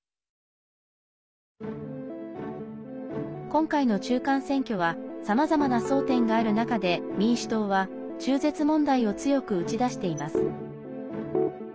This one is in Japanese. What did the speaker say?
今回の中間選挙はさまざまな争点がある中で民主党は中絶問題を強く打ち出しています。